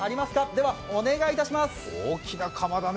では、お願いいたします！